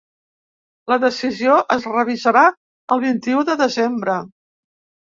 La decisió es revisarà el vint-i-u de desembre.